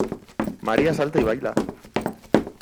María salta y baila.